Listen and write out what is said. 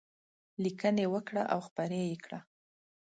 لیکنې وکړه او خپرې یې کړه.